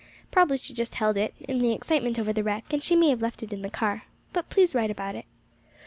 "Probably she just held it, in the excitement over the wreck, and she may have left it in the car. But please write about it."